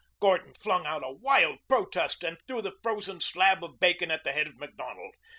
Gordon flung out a wild protest and threw the frozen slab of bacon at the head of Macdonald.